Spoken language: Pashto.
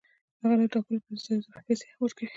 هغه له ټاکلو پیسو سره اضافي پیسې هم ورکوي